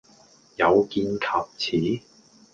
有見及此